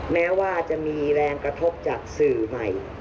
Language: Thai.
แม้ว่าจะมีแรงกระทบจากสื่อใหม่